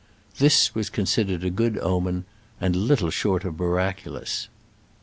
This was considered a good omen, and little short of miraculous.